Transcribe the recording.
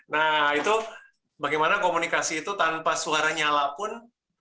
nah itu bagaimana komunikasi itu tanpa suara nyala pun